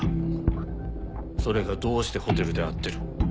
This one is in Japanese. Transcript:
それがどうしてホテルで会ってる？